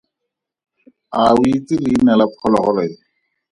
A o itse leina la phologolo e?